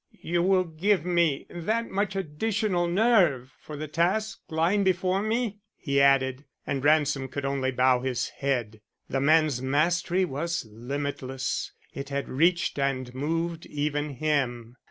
"You will give me that much additional nerve for the task lying before me?" he added. And Ransom could only bow his head. The man's mastery was limitless; it had reached and moved even him.